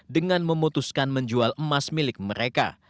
dengan memutuskan menjual emas milik mereka